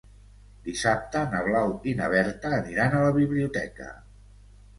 Dissabte na Blau i na Berta aniran a la biblioteca.